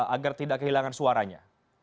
agar tidak kehilangan suaranya